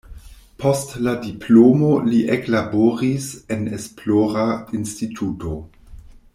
Post la diplomo li eklaboris en esplora instituto.